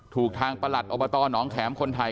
ถูกทางประหลัดอบตหนองแขมคนไทย